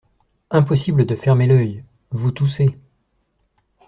Impossible de fermer l’œil… vous toussez !…